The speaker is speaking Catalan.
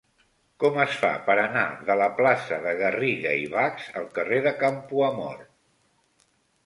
Com es fa per anar de la plaça de Garriga i Bachs al carrer de Campoamor?